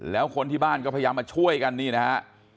แล้วคนที่บ้านก็พยายามมาช่วยกันนี่นะฮะ